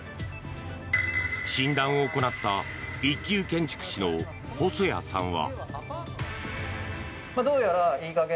診断を行った一級建築士の細谷さんは。